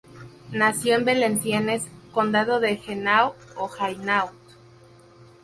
Nació en Valenciennes, condado de Henao o Hainaut.